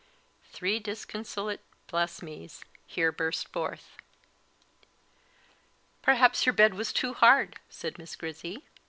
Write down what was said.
Three disconsolate "Bless me's!" here burst forth. "Perhaps your bed was too hard?" said Miss Grizzy.